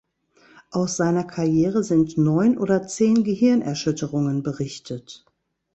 Aus seiner Karriere sind neun oder zehn Gehirnerschütterungen berichtet.